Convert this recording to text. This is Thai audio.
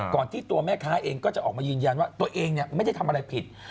ที่ตัวแม่ค้าเองก็จะออกมายืนยันว่าตัวเองไม่ได้ทำอะไรผิด